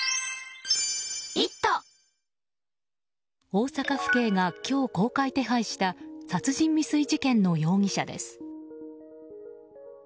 大阪府警が今日、公開手配した殺人未遂事件の容疑者です。